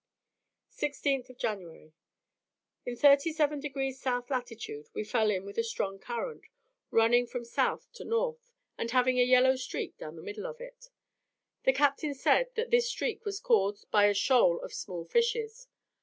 16th January. In 37 degrees South lat. we fell in with a strong current, running from south to north, and having a yellow streak down the middle of it. The captain said that this streak was caused by a shoal of small fishes.